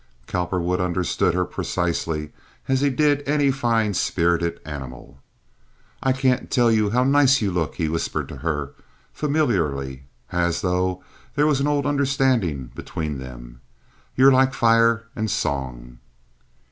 Cowperwood understood her precisely, as he did any fine, spirited animal. "I can't tell you how nice you look," he whispered to her, familiarly, as though there was an old understanding between them. "You're like fire and song."